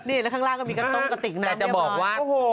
นี่เห็นแล้วข้างล่างก็มีกระตุ้งกระติกนั้นเนี่ยบอร์จะบอกว่า